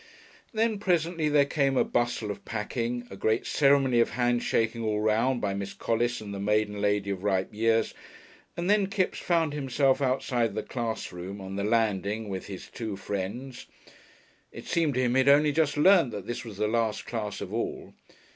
Then presently there came a bustle of packing, a great ceremony of hand shaking all round by Miss Collis and the maiden lady of ripe years, and then Kipps found himself outside the class room, on the landing with his two friends. It seemed to him he had only just learnt that this was the last class of all.